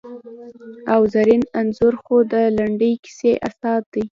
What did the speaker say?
او زرین انځور خو د لنډې کیسې استاد دی!